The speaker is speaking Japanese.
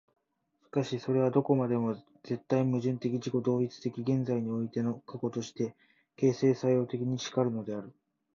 しかしそれはどこまでも絶対矛盾的自己同一的現在においての過去として、形成作用的に然るのである。